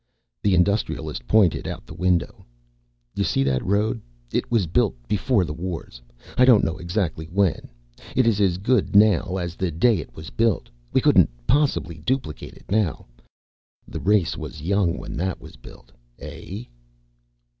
The Industrialist pointed out the window. "You see that road. It was built Beforethewars. I don't know exactly when. It is as good now as the day it was built. We couldn't possibly duplicate it now. The race was young when that was built, eh?"